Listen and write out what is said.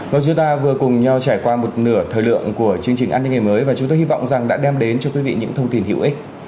và chúng ta vừa cùng nhau trải qua một nửa thời lượng của chương trình an ninh ngày mới và chúng tôi hy vọng rằng đã đem đến cho quý vị những thông tin hữu ích